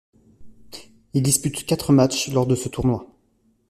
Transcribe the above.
Il dispute quatre matchs lors de ce tournoi.